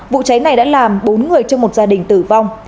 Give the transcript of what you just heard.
vụ cháy này đã làm bốn người trong một gia đình tử vong